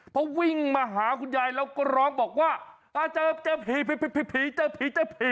เพราะวิ่งมาหาคุณยายแล้วก็ร้องบอกว่าเจอผี